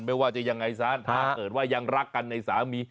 ไม่ว่าจะยังไงซะถ้าเกิดว่ายังรักกันในสามี